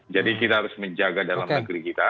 jadi kita harus menjaga dalam negeri kita